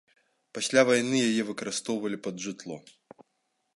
Пасля вайны яе выкарыстоўвалі пад жытло.